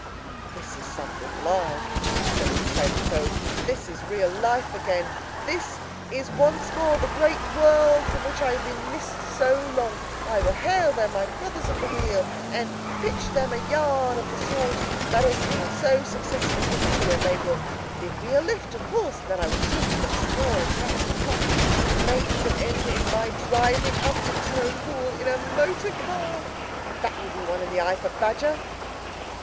"This is something like!" said the excited Toad. "This is real life again, this is once more the great world from which I have been missed so long! I will hail them, my brothers of the wheel, and pitch them a yarn, of the sort that has been so successful hitherto; and they will give me a lift, of course, and then I will talk to them some more; and, perhaps, with luck, it may even end in my driving up to Toad Hall in a motor car! That will be one in the eye for Badger!"